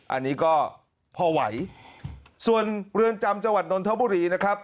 อันนี้ก็พอไหวส่วนเรือนจำจังหวัดนนทบุรีนะครับ